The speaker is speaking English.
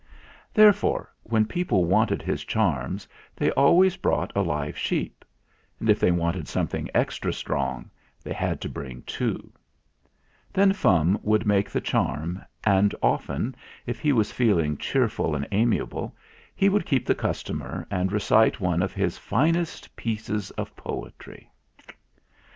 Therefore, when people wanted his charms they always brought a live sheep; and if they THE MYSTERY MAN 19 wanted something extra strong they had to bring two. Then Fum would make the charm, and often, if he was feeling cheerful and amiable, he would keep the customer and recite one of his finest pieces of poetry.